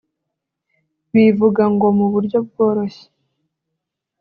Bivuga ngo mu buryo bworoshye